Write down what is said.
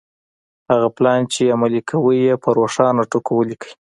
هغه پلان چې عملي کوئ يې په روښانه ټکو وليکئ.